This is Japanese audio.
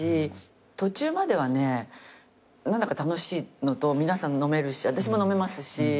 途中まではね何だか楽しいのと皆さん飲めるし私も飲めますし。